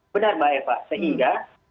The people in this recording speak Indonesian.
benar mbak eva sehingga